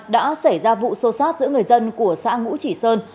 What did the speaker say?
đã xảy ra vụ sô sát giữa người dân của xã ngũ chỉ sơn